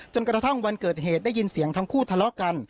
กระทั่งวันเกิดเหตุได้ยินเสียงทั้งคู่ทะเลาะกัน